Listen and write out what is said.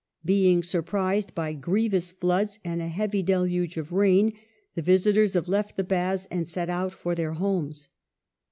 Being surprised by grievous floods and a heavy deluge of rain, the visitors have left the baths and set out for their homes.